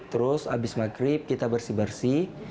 terus habis maghrib kita bersih bersih